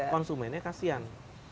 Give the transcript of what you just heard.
konsumennya juga kasian